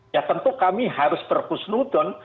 ya tentu kami harus berhusnudon